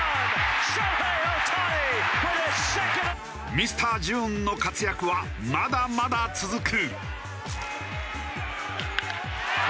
ミスター・ジューンの活躍はまだまだ続く。